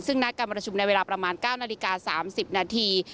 ซึ่งนัดการประชุมในเวลาประมาณ๙นาฬิกา๓๐นาที